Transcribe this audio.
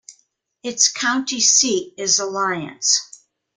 Its county seat is Alliance.